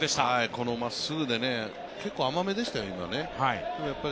このまっすぐで、結構、甘めでしたよね、今。